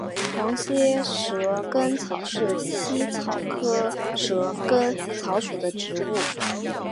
黄褐蛇根草是茜草科蛇根草属的植物。